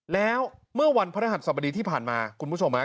แล้วเมื่อวันพระรหัสสบดีที่ผ่านมาคุณผู้ชมฮะ